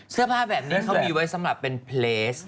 เสื้อผ้าแบบนี้เขามีไว้สำหรับเป็นเพลส